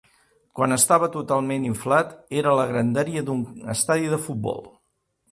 Quan estava totalment inflat, era la grandària d'un estadi de futbol.